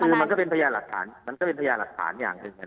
คือมันก็เป็นพยานหลักฐานมันก็เป็นพยานหลักฐานอย่างหนึ่ง